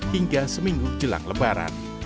hingga seminggu jelang lebaran